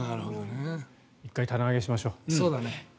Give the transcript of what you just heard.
１回棚上げにしましょう。